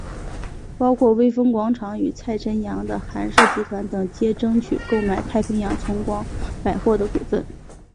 包括微风广场与蔡辰洋的寒舍集团等皆争取购买太平洋崇光百货的股份。